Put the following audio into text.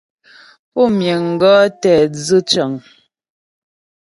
Pú miŋ gɔ̌ tɛ dzʉ cəŋ.